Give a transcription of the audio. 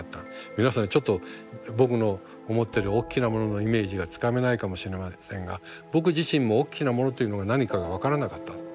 皆さんにちょっと僕の思ってるおっきなもののイメージがつかめないかもしれませんが僕自身もおっきなものというのが何かが分からなかった。